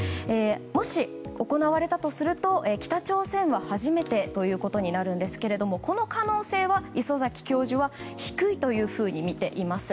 もし行われたとすると北朝鮮は初めてということになるんですがこの可能性は、礒崎教授は低いというふうにみています。